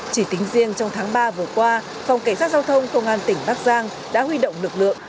chỉ tính riêng trong tháng ba vừa qua phòng cảnh sát giao thông công an tỉnh bắc giang đã huy động lực lượng